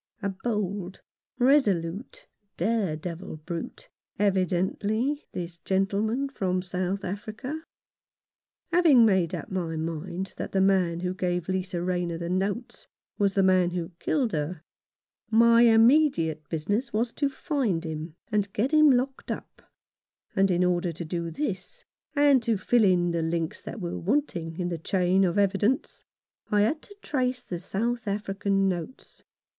A bold, resolute, dare devil brute, evidently, this gentleman from South Africa. Having made up my mind that the man who gave Lisa Rayner the notes was the man who killed her, my immediate business was to find him, and get him locked up, and in order to do this, and to fill in the links that were wanting in the chain of evidence, I had to trace the South African notes.